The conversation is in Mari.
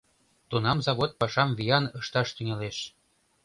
Тунам завод пашам виян ышташ тӱҥалеш.